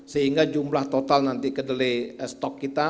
sehingga jumlah total nanti kedelai stok kita